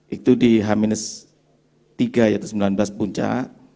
itu di h tiga yaitu sembilan belas puncak